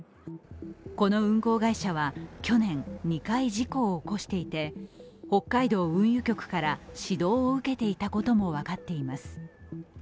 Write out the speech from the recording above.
この運航会社は去年、２回、事故を起こしていて北海道運輸局から指導を受けていたことも分かっています。